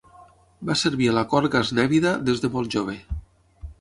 Va servir a la cort gaznèvida des de molt jove.